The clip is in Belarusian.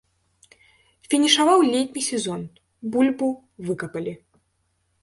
Фінішаваў летні сезон, бульбу выкапалі.